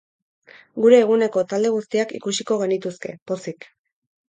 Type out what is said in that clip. Gure eguneko talde guztiak ikusiko genituzke, pozik!